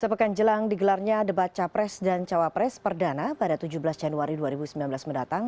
sepekan jelang digelarnya debat capres dan cawapres perdana pada tujuh belas januari dua ribu sembilan belas mendatang